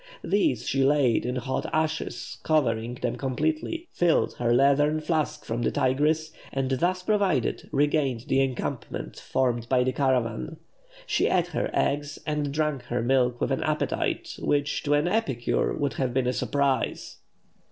These she laid in hot ashes, covering them completely; filled her leathern flask from the Tigris, and thus provided regained the encampment formed by the caravan. She ate her eggs and drank her milk with an appetite, which, to an epicure, would have been a surprise.